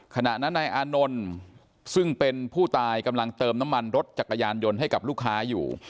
ขณะนั้นนายอานนท์ซึ่งเป็นผู้ตายกำลังเติมน้ำมันรถจักรยานยนต์ให้กับลูกค้าอยู่